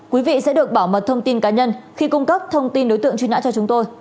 quý vị sẽ được bảo mật thông tin cá nhân khi cung cấp thông tin đối tượng truy nã cho chúng tôi